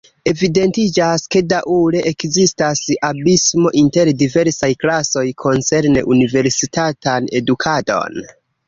Evidentiĝas, ke daŭre ekzistas abismo inter diversaj klasoj koncerne universitatan edukadon.